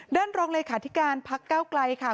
ด้านรองเลยขาดที่การพักก้าวไกลค่ะ